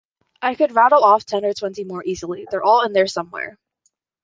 I could rattle off ten or twenty more easily; they're all in there somewhere.